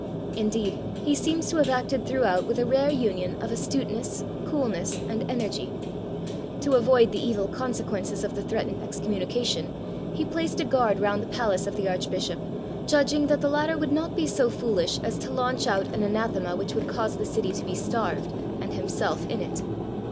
Indeed, he seems to have acted throughout with a rare union of astuteness, coolness, and energy. To avoid the evil consequences of the threatened excommunication, he placed a guard round the palace of the archbishop, judging that the latter would not be so foolish as to launch out an anathema which would cause the city to be starved, and himself in it.